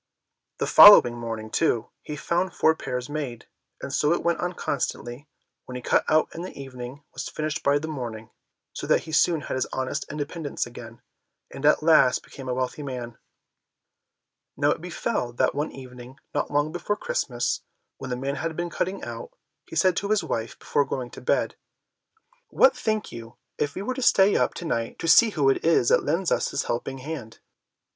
The following morning, too, he found the four pairs made; and so it went on constantly, what he cut out in the evening was finished by the morning, so that he soon had his honest independence again, and at last became a wealthy man. Now it befell that one evening not long before Christmas, when the man had been cutting out, he said to his wife, before going to bed, "What think you if we were to stay up to night to see who it is that lends us this helping hand?"